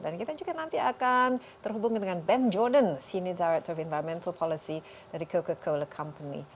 dan kita juga nanti akan terhubungi dengan ben jordan senior director of environmental policy dari coca cola company